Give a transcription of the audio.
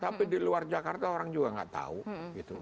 tapi di luar jakarta orang juga gak tau gitu